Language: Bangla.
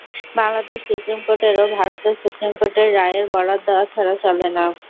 বাংলাদেশ সুপ্রিম কোর্টেরও ভারতের সুপ্রিম কোর্টের রায়ের বরাত দেওয়া ছাড়া চলে না।